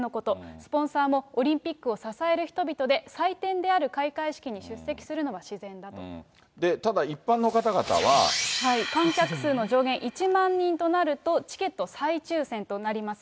スポンサーも、オリンピックを支える人々で、祭典である開会式にただ、観客数の上限１万人となると、チケット再抽せんとなります。